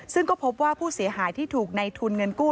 ซึ่งก็พบว่าผู้เสียหายที่ถูกในทุนเงินกู้